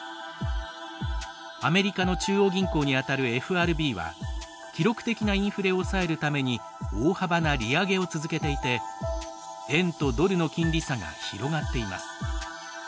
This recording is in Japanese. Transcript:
アメリカの中央銀行にあたるＦＲＢは記録的なインフレを抑えるために大幅な利上げを続けていて円とドルの金利差が広がっています。